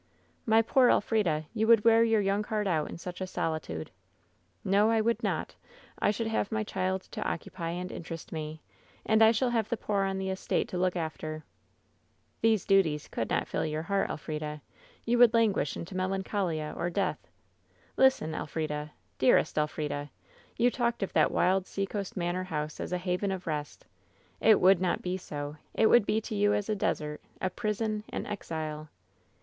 " 'My poor Elf rida ! You would wear your young heart out in such a solitude !'" 'No ; I would not. I should have my child to oc cupy and interest me ; and I shall have the poor on the •state to look after.' WHEN SHADOWS DIE 189 "These duties could not fill your heart, Elfrida. You would lan^ish into melancholia or death. Listen, Elfrida — dearest Elfrida ! You talked of that wild sea coast manor house as a haven of rest. It would not be so. It would be to you as a desert, a prison, an exile.